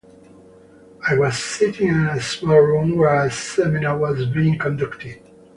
I was sitting in a small room where a seminar was being conducted.